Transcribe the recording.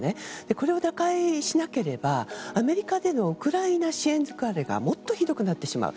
これを打開しなければアメリカでのウクライナ支援疲れがもっとひどくなってしまう。